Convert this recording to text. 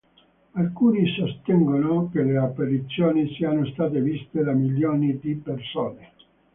Alcuni sostengono che le apparizioni siano state viste da milioni di persone.